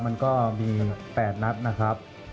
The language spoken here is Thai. มันก็มี๘นัดนะครับ